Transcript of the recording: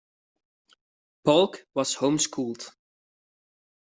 Polk was home schooled.